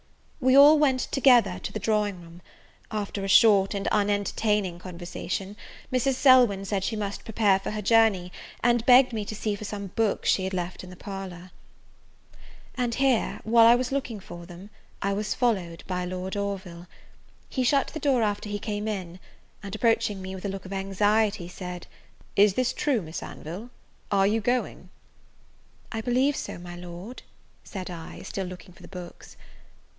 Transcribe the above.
We all went together to the drawing room. After a short and unentertaining conversation, Mrs. Selwyn said she must prepare for her journey, and begged me to see for some books she had left in the parlour. And here, while I was looking for them, I was followed by Lord Orville. He shut the door after he came in, and, approaching me with a look of anxiety, said, "Is this true, Miss Anville, are you going?" "I believe so, my Lord," said I, still looking for the books.